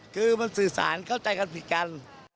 คือมันสื่อสารเข้าใจกันผิดกัน